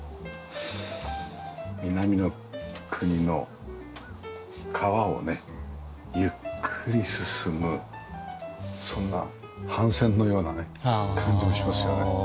南の国の川をねゆっくり進むそんな帆船のようなね感じもしますよね。